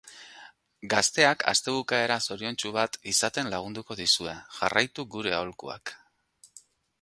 Gazteak astebukaera zoriontsu bat izaten lagunduko dizue, jarraitu gure aholkuak!